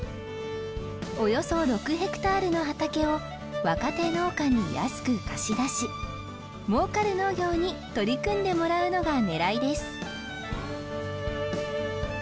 およそ６ヘクタールの畑を若手農家に安く貸し出し儲かる農業に取り組んでもらうのが狙いです。